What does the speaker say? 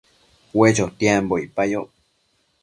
Ue chotiambo icpayoc